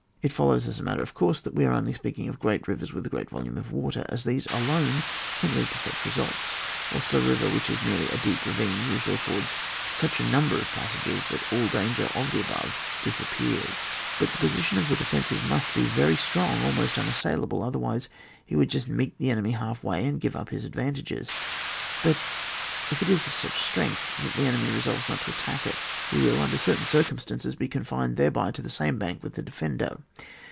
It follows, as a matter of course, that we are only speaking of gi'eat rivers with a great volume of water, as these alone can lead to such results, whilst a river which is merely in a deep ravine iisually affords such a number of pas sages that all danger of the above dis appears. But the position of the defensive must be very strong, almost unassailable ; otherwise he would just meet the enemy haKway, and give up his advantages. But if it is of such strength that the enemy resolves not to attack it, he will, under certain circumstances, be confined thereby to the same bank with the defender.